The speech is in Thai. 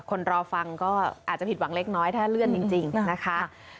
รอฟังก็อาจจะผิดหวังเล็กน้อยถ้าเลื่อนจริงนะคะ